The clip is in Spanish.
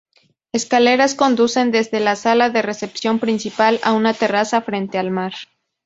Escaleras conducen desde la sala de recepción principal a una terraza frente al mar.